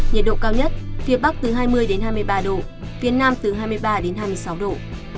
nhiệt độ cao nhất phía bắc từ hai mươi hai mươi ba độ phía nam từ hai mươi ba đến hai mươi sáu độ